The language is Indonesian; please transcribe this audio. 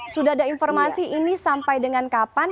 sudah ada informasi ini sampai dengan kapan